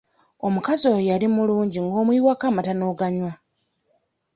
Omukazi oyo yali mulungi nga omuyiwako amata n'oganywa.